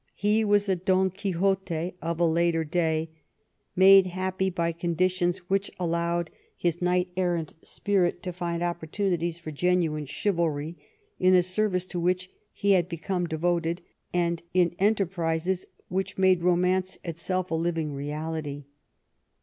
He was a Don Quixote of a later day, made happy by conditions which allowed his knight errant spirit to find opportunities for genuine chivalry in a service to which he had become devoted^ and in enterprises which made romance itself a living reality.